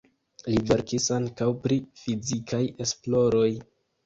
Li verkis ankaŭ pri fizikaj esploroj.